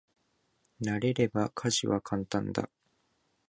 慣れれば家事は簡単だ。